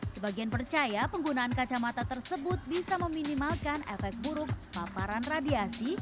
sebagian percaya penggunaan kacamata tersebut bisa meminimalkan efek buruk paparan radiasi